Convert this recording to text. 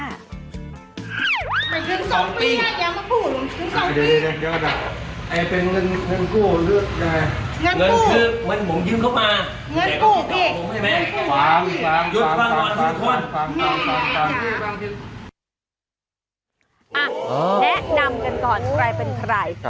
แนะนำกันก่อนใครเป็นใคร